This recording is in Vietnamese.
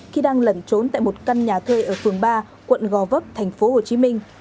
khi đang lẩn trốn tại một căn nhà thuê ở phường ba quận gò vấp tp hồ chí minh